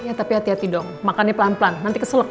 ya tapi hati hati dong makannya pelan pelan nanti keselek